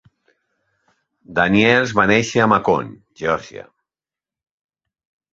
Daniels va néixer a Macon, Geòrgia.